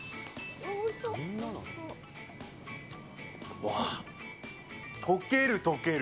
うわ、溶ける、溶ける。